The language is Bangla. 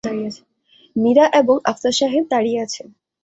মীরা এবং আফসার সাহেব দাঁড়িয়ে আছেন!